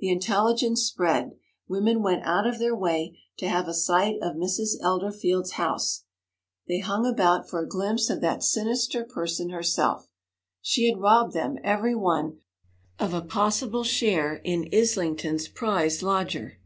The intelligence spread. Women went out of their way to have a sight of Mrs. Elderfield's house; they hung about for a glimpse of that sinister person herself. She had robbed them, every one, of a possible share in Islington's prize lodger.